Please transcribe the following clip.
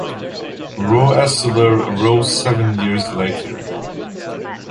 Roeselare arose seven years later.